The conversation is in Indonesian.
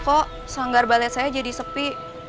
kok sanggar balet saya jadi sepi